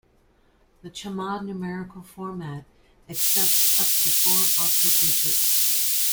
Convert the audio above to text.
The chmod numerical format accepts up to four octal digits.